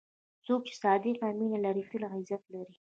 څوک چې صادق مینه لري، تل عزت لري.